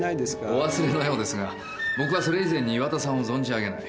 お忘れのようですが僕はそれ以前に岩田さんを存じ上げない。